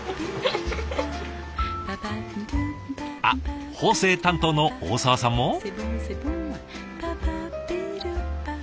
あっ縫製担当の大澤さんも。